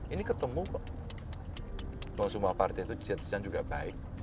ini ketemu kok semua partai itu di jati jati juga baik